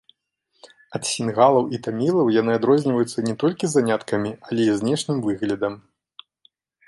Ад сінгалаў і тамілаў яны адрозніваюцца не толькі заняткамі, але і знешнім выглядам.